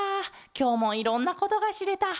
きょうもいろんなことがしれた。